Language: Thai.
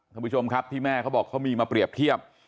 ท่านผู้ชมครับที่แม่เขาบอกเขามีมาเปรียบเทียบ